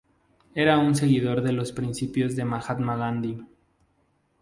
Era un seguidor de los principios de Mahatma Gandhi.